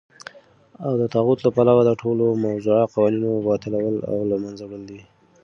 او دطاغوت له پلوه دټولو موضوعه قوانينو باطلول او له منځه وړل دي .